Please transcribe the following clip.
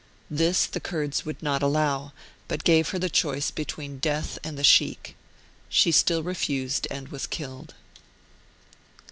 This the Kurds would not allow, but gave her the choice between death and the Sheikh ; she still refused, and was killed.